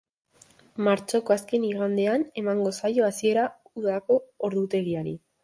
Martxoko azken igandean emango zaio hasiera udako ordutegiari.